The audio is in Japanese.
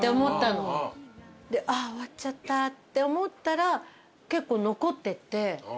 でああ終わっちゃったって思ったら結構残ってて。